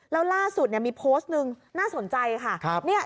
แล้วล่าสุดมีโพสต์หนึ่งน่าสนใจค่ะ